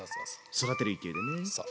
育てる勢いでね。